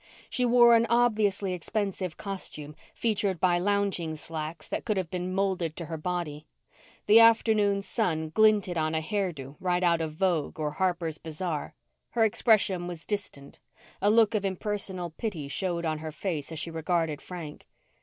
She wore an obviously expensive costume featured by lounging slacks that could have been molded to her body. The afternoon sun glinted on a hairdo right out of Vogue or Harper's Bazaar. Her expression was distant; a look of impersonal pity showed on her face as she regarded Frank.